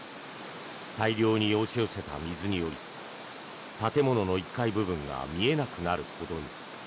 大量に押し寄せた水により建物の１階部分が見えなくなるほどに。